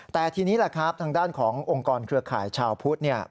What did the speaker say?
แต่ทีนี้แหละทางด้านขององค์กรเครือข่าย้าพุฒิ